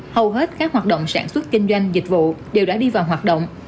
hầu hết các hoạt động sản xuất kinh doanh dịch vụ đều đã đi vào hoạt động